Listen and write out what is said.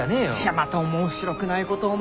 また面白くないことをお前。